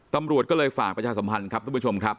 ตำรวจเลยฝากประชาสมนตร์ครับนักงาน